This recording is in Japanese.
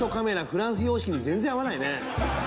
フランス様式に全然合わないね。